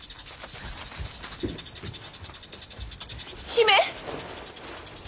姫！